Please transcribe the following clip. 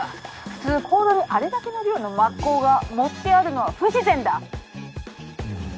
普通香炉にあれだけの量の抹香が盛ってあるのは不自然だ。